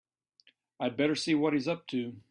I'd better see what he's up to.